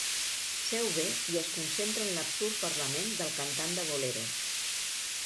Seu bé i es concentra en l'absurd parlament del cantant de boleros.